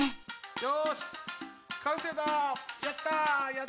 よしかんせいだ！